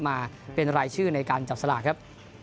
มาเป็นรายชื่อในการจับสลากครับ